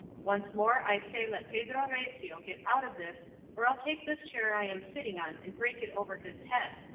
Once more I say let Pedro Recio get out of this or I'll take this chair I am sitting on and break it over his head.